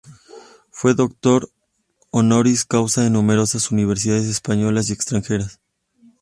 Fue doctor honoris causa en numerosas universidades españolas y extranjeras.